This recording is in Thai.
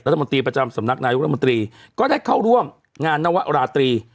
รัฐมนตรีประจำสำนักนายกรมนตรีก็ได้เข้าร่วมงานนวราตรี